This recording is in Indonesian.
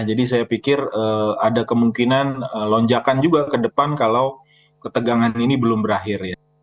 jadi saya pikir ada kemungkinan lonjakan juga ke depan kalau ketegangan ini belum berakhir ya